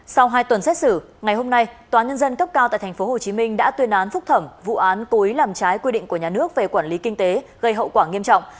sau hai tuần xét xử ngày hôm nay tòa nhân dân cấp cao tại tp hcm đã tuyên án phúc thẩm vụ án cố ý làm trái quy định của nhà nước về quản lý kinh tế gây hậu quả nghiêm trọng